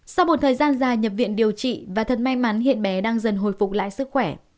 sau một thời gian dài nhập viện điều trị và thật may mắn hiện bé đang dần hồi phục lại sức khỏe